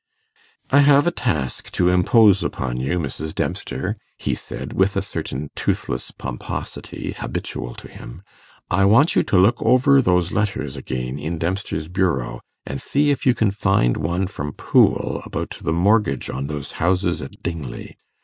'I have a task to impose upon you, Mrs. Dempster,' he said, with a certain toothless pomposity habitual to him: 'I want you to look over those letters again in Dempster's bureau, and see if you can find one from Poole about the mortgage on those houses at Dingley.